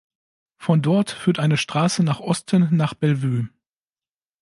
Von dort führt eine Straße nach Osten nach Bellevue.